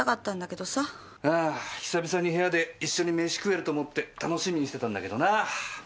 ああ久々に部屋で一緒にメシ食えると思って楽しみにしてたんだけどなあ。